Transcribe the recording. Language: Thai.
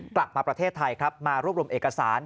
กลับมาประเทศไทยครับมารวบรวมเอกสาร